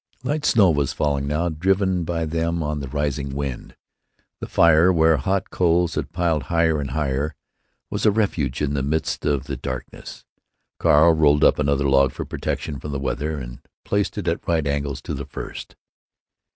Light snow was falling now, driven by them on the rising wind. The fire, where hot coals had piled higher and higher, was a refuge in the midst of the darkness. Carl rolled up another log, for protection from the weather, and placed it at right angles to the first.